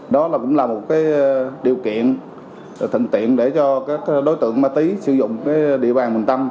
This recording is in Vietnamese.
đó cũng là một điều kiện thân tiện để cho đối tượng ma túy sử dụng địa bàn bình tân